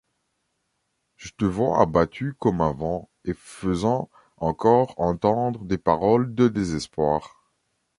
Je te vois abattu comme avant, et faisant encore entendre des paroles de désespoir !